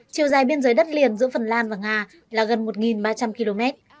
chiều dài biên giới đất liền giữa phần lan và nga là gần một ba trăm linh km